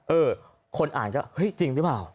เออคนอ่านก็เฮ้ยจริงหรือเปล่า